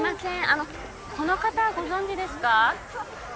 あのこの方ご存じですか？